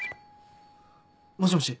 もしもし。